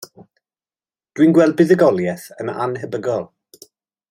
Dwi'n gweld buddugoliaeth yn annhebygol.